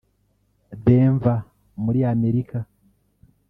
Denver muri Amerika